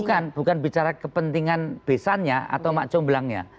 bukan bukan bicara kepentingan besannya atau makcum belangnya